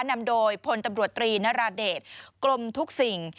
นำโดยพลตำรวจตรีนราเดชกรมทุกสิ่ง